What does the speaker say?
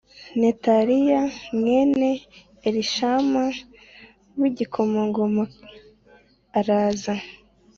Netaniya mwene Elishama w igikomangoma araza